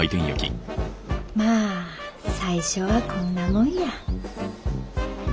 まあ最初はこんなもんや。